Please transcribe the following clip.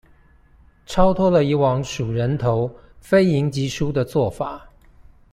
超脫了以往數人頭、非贏即輸的做法